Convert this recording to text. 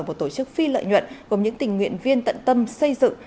một tổ chức phi lợi nhuận gồm những tình nguyện viên tận tâm xây dựng